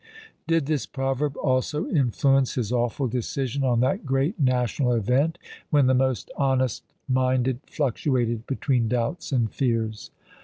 _ Did this proverb also influence his awful decision on that great national event, when the most honest minded fluctuated between doubts and fears?